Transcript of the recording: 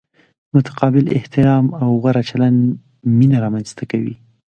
متقابل احترام او غوره چلند مینه را منځ ته کوي.